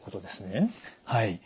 はい。